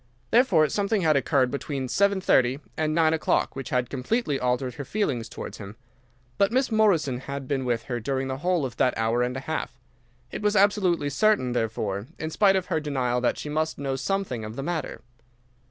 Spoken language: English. Therefore something had occurred between seven thirty and nine o'clock which had completely altered her feelings towards him. But Miss Morrison had been with her during the whole of that hour and a half. It was absolutely certain, therefore, in spite of her denial, that she must know something of the matter.